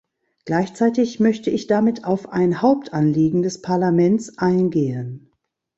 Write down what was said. Gleichzeitig möchte ich damit auf ein Hauptanliegen des Parlaments eingehen.